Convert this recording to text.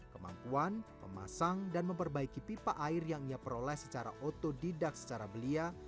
kemampuan memasang dan memperbaiki pipa air yang ia peroleh secara otodidak secara belia